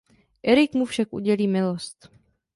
Erik mu však udělí milost.